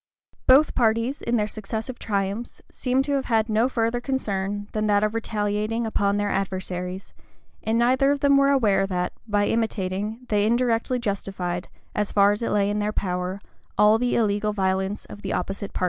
Both parties, in their successive triumphs, seem to have had no further concern than that of retaliating upon their adversaries; and neither of them were aware that, by imitating, they indirectly justified, as far as it lay in their power, all the illegal violence of the opposite party.